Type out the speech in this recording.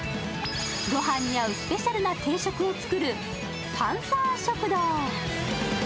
御飯に合うスペシャルな定食を作るパンサー食堂。